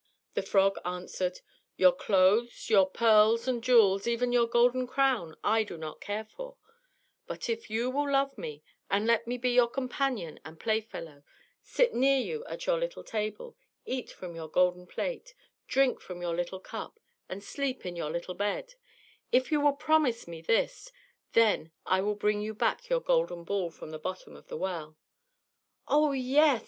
The frog answered, "Your clothes, your pearls and jewels, even your golden crown, I do not care for; but if you will love me, and let me be your companion and playfellow; sit near you at your little table, eat from your little golden plate, drink from your little cup, and sleep in your little bed; if you will promise me this, then I will bring you back your golden ball from the bottom of the well." "Oh, yes!"